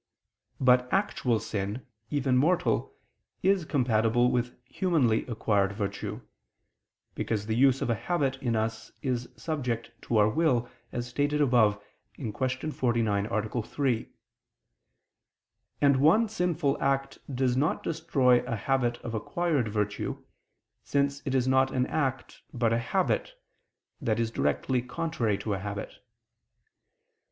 But actual sin, even mortal, is compatible with humanly acquired virtue; because the use of a habit in us is subject to our will, as stated above (Q. 49, A. 3): and one sinful act does not destroy a habit of acquired virtue, since it is not an act but a habit, that is directly contrary to a habit.